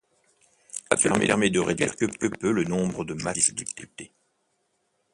Cela permet de réduire quelque peu le nombre de matches disputés.